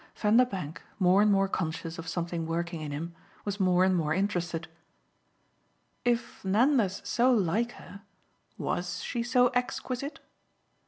Vanderbank, more and more conscious of something working in him, was more and more interested. "If Nanda's so like her, WAS she so exquisite?"